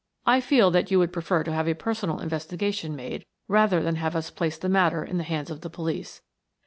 I feel that you would prefer to have a personal investigation made rather than have us place the matter in the hands of the police.